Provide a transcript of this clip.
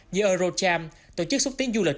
như eurocham tổ chức xúc tiến du lịch